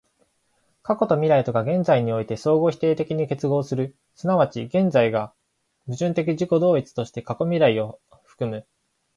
過去と未来とが現在において相互否定的に結合する、即ち現在が矛盾的自己同一として過去未来を包む、